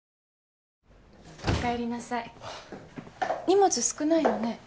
荷物少ないのね。